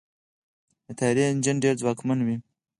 د طیارې انجن ډېر ځواکمن وي.